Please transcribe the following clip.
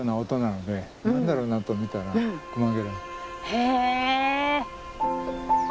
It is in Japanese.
へえ。